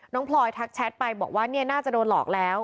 พลอยทักแชทไปบอกว่าเนี่ยน่าจะโดนหลอกแล้ว